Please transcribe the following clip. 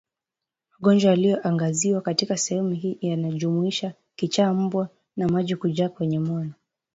Magonjwa yaliyoangaziwa katika sehemu hii yanajumuisha kichaacha mbwa na maji kujaa kwenye moyo